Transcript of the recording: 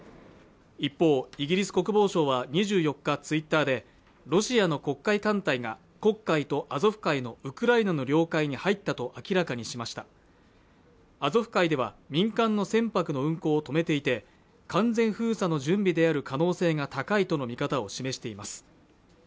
一方イギリス国防省は２４日ツイッターでロシアの黒海艦隊が黒海とアゾフ海のウクライナの領海に入ったと明らかにしましたアゾフ海では民間の船舶の運航を止めていて完全封鎖の準備である可能性が高いとの見方を示しています